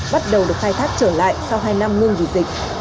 bắt đầu được khai thác trở lại sau hai năm ngưng vì dịch